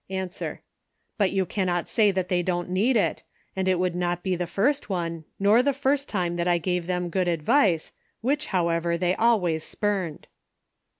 ^.— But you cannot say tliat they don't need it, and it would not be the first one, nor the first time that I gave them good advice, which, however, they always spurned.